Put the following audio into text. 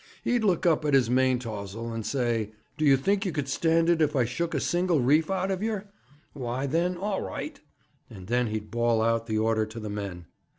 He'd look up at his maintaws'l, and say: "D'ye think you could stand it if I shook a single reef out of yer? Why, then, all right"; and then he'd bawl out the order to the men.